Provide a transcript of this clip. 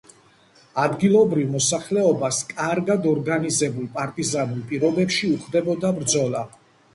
ადგილობრივ მოსახლეობას კარგად ორგანიზებულ პარტიზანულ პირობებში უხდებოდა ბრძოლა.